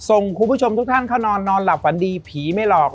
คุณผู้ชมทุกท่านเข้านอนนอนหลับฝันดีผีไม่หลอก